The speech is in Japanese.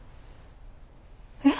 え？